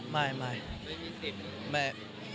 ไม่มีสิทธิ์